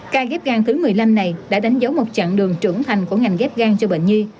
ca ghép gan thứ một mươi năm này đã đánh dấu một chặng đường trưởng thành của ngành ghép gan cho bệnh nhi